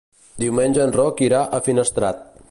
Diumenge en Roc irà a Finestrat.